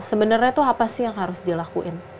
sebenarnya itu apa sih yang harus dilakuin